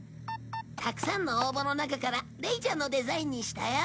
たくさんの応募の中かられいちゃんのデザインにしたよ！